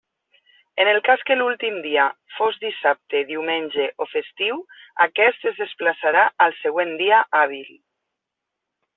En el cas que l'últim dia fos dissabte, diumenge o festiu, aquest es desplaçarà al següent dia hàbil.